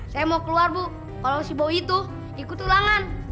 saya mau keluar bu kalau si bo itu ikut tulangan